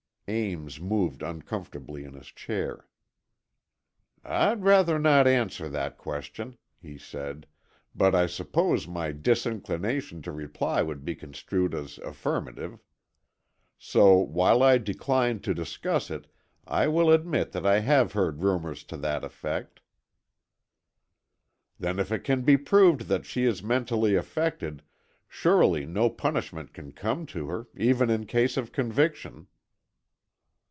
Ames moved uncomfortably in his chair. "I'd rather not answer that question," he said, "but I suppose my disinclination to reply would be construed as affirmative. So, while I decline to discuss it, I will admit that I have heard rumours to that effect." "Then if it can be proved that she is mentally affected, surely no punishment can come to her, even in case of conviction."